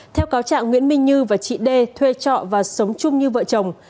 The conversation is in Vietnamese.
theo cáo trạng nguyễn minh như và chị đê thuê trọ và sống chung như vợ chồng